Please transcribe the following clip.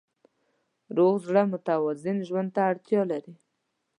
روغ زړه متوازن ژوند ته اړتیا لري.